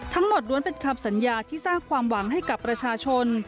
ล้วนเป็นคำสัญญาที่สร้างความหวังให้กับประชาชน